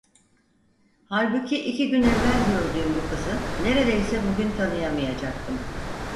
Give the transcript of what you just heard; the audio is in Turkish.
Halbuki iki gün evvel gördüğüm bu kızı neredeyse bugün tanıyamayacaktım.